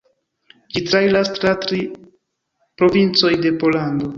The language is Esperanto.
Ĝi trairas tra tri provincoj de Pollando.